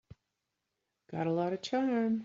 Got a lot of charm.